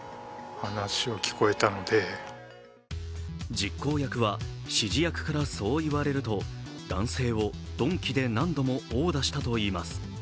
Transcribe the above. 実行役は指示役からそう言われると、男性を鈍器で何度も殴打したといいます。